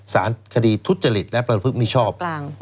สารคดีทุจริตและประพฤติมิชอบ